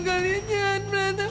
kalian jangan berantem